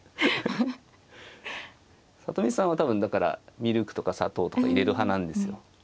里見さんは多分だからミルクとか砂糖とか入れる派なんですよ。